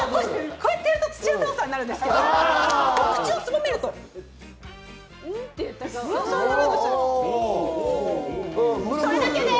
こうやってやると土屋太鳳さんになるんですけど、口をすぼめるとムロさんになるんですよ。